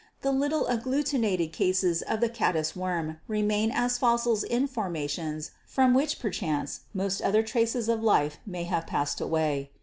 The little agglutinated cases of the caddis worm remain as fossils in formations from which perchance most other traces ef life may have passed away.